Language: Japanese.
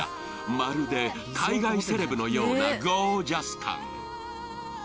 まるで海外セレブのようなゴージャス感。